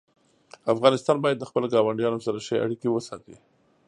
افغانستان باید د خپلو ګاونډیانو سره ښې اړیکې وساتي.